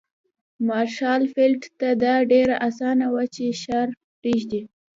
مارشال فيلډ ته دا ډېره اسانه وه چې ښار پرېږدي.